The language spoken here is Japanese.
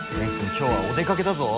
今日はお出かけだぞ。